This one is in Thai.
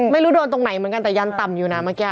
ไม่รู้โดนตรงไหนเหมือนกันแต่ยันต่ำอยู่นะเมื่อกี้